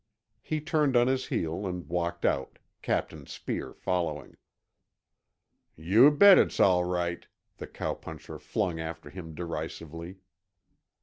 He turned on his heel and walked out, Captain Speer following. "Yuh bet it's all right," the cowpuncher flung after him derisively.